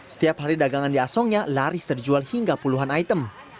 setiap hari dagangan di asongnya laris terjual hingga puluhan item